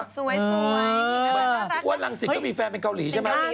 สวยเหมือนกับรักษารักษาว่าลังศิษย์ก็มีแฟนเป็นเกาหลีใช่ไหม